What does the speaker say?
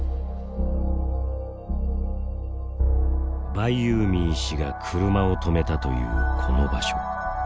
バイユーミー氏が車を止めたというこの場所。